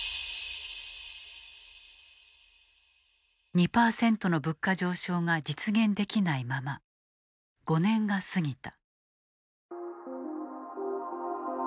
２％の物価上昇が実現できないまま５年が過ぎた。